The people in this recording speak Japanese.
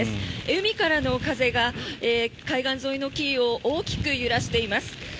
海からの風が海岸沿いの木を大きく揺らしています。